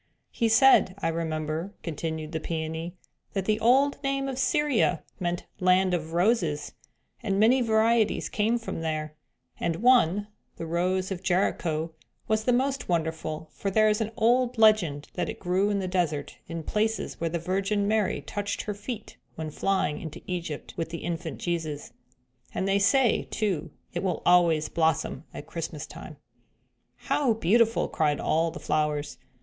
"He said, I remember," continued the Peony, "that the old name of Syria meant the 'land of roses' and many varieties came from there, and one, the 'Rose of Jericho,' was the most wonderful, for there is an old legend that it grew in the desert in places where the Virgin Mary touched her feet when flying into Egypt with the infant Jesus; and they say, too, it will always blossom at Christmas time." "How beautiful!" cried all the flowers.